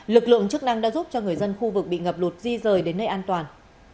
lực lượng chức năng đã giúp cho người dân khu vực bị ngập lụt di rời đến nơi an toàn